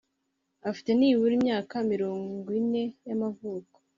afite nibura imyaka mirongwine y amavuko